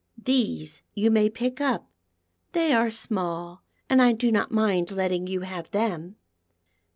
These you may pick up. They are small, and I do not mind letting you have them."